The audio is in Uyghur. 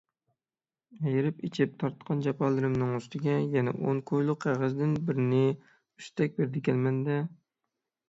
ھېرىپ - ئېچىپ تارتقان جاپالىرىمنىڭ ئۈستىگە يەنە ئون كويلۇق قەغەزدىن بىرنى ئۈستەك بېرىدىكەنمەن - دە؟!